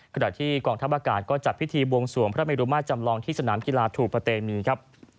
ขณะที่กองทัพอากาศก็จัดพิธีบวงสวงพระเมรุมาตรจำลองที่สนามกีฬาถูกปะเตมีครับ